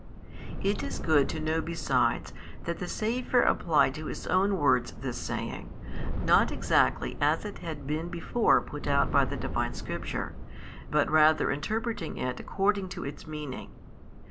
It is good to know besides that the Saviour applied to His own words this saying, not exactly as it had been before put out by the Divine Scripture 8, but rather interpreting it according to its meaning.